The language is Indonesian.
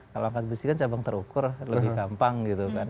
kalau angkat besi kan cabang terukur lebih gampang gitu kan